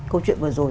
câu chuyện vừa rồi